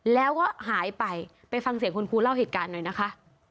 แล้วก็หายไปไปฟังเสียงคุณครูเล่าเหตุการณ์หน่อยนะคะ